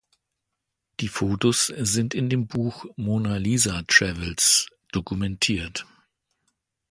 Die Fotos sind in dem Buch "Mona Lisa Travels" dokumentiert.